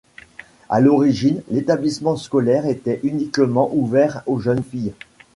À l'origine, l'établissement scolaire était uniquement ouvert aux jeunes filles.